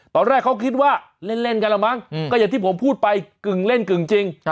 ตอนแรกเขาคิดว่าเล่นกันแล้วมั้งก็อย่างที่ผมพูดไปกึ่งเล่นกึ่งจริง